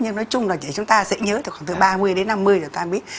nhưng nói chung là chúng ta dễ nhớ khoảng từ ba mươi đến năm mươi chúng ta biết